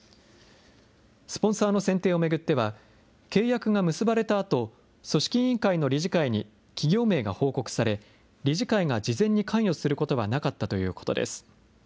スポンサーの選定を巡っては、契約が結ばれたあと、組織委員会の理事会に企業名が報告され、理事会が事前に関与することはなかったということです。